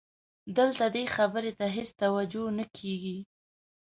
دلته دې خبرې ته هېڅ توجه نه کېږي.